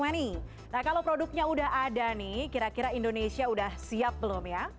nah kalau produknya udah ada nih kira kira indonesia udah siap belum ya